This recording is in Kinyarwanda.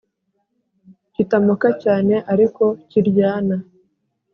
kitamoka cyane ariko kiryana